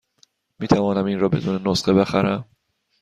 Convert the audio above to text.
می توانم این را بدون نسخه بخرم؟